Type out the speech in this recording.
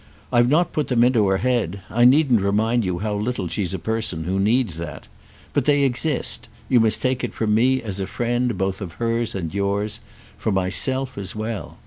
I've not put them into her head—I needn't remind you how little she's a person who needs that. But they exist—you must take it from me as a friend both of hers and yours—for myself as well.